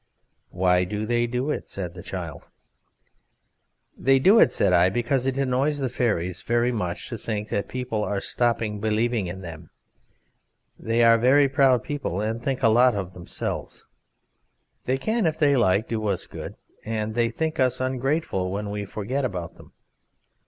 "Why do they do it?" said the child. "They do it," said I, "because it annoys the fairies very much to think that people are stopping believing in them. They are very proud people, and think a lot of themselves. They can, if they like, do us good, and they think us ungrateful when we forget about them.